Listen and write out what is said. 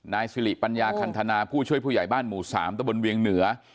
นายสิริปัญญาคันธนาผู้ช่วยผู้ใหญ่บ้านหมู่๓ตะบนเวียงเหนือ